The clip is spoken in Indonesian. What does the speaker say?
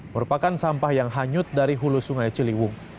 merupakan sampah yang hanyut dari hulu sungai ciliwung